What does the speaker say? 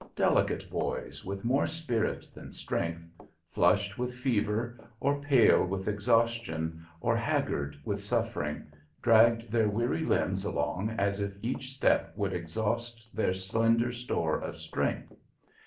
Delicate boys, with more spirit than strength, flushed with fever or pale with exhaustion or haggard with suffering, dragged their weary limbs along as if each step would exhaust their slender store of strength.